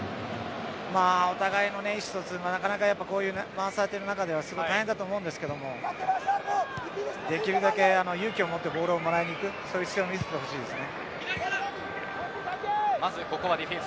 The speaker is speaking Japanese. お互いの意思疎通もなかなかパスが回されている中ではすごい大変だと思うんですけどできるだけ勇気を持ってボールをもらいに行く姿勢を見せてもらいたいですね。